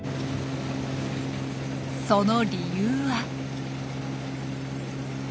その理由は。